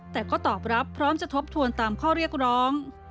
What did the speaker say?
แต่ก็ตอบรับพร้อมจะทบทวนตามข้อเรียกร้อง